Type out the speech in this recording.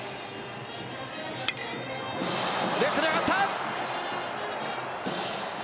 レフトに上がった。